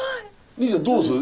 凜ちゃんどうする？